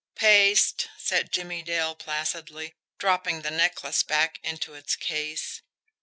"Paste," said Jimmie Dale placidly, dropping the necklace back into its case.